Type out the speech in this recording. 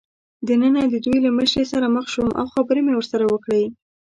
دننه د دوی له مشرې سره مخ شوم او خبرې مې ورسره وکړې.